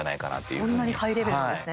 そんなにハイレベルなんですね。